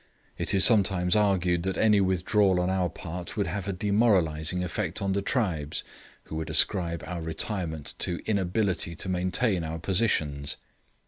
It is sometimes argued that any withdrawal on our part would have a demoralising effect on the tribes, who would ascribe our retirement to inability to maintain our positions.